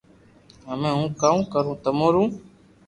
ھمي ھون ڪاو ڪرو تمو رو